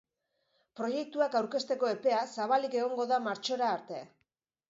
Proiektuak aurkezteko epea zabalik egongo da martxora arte.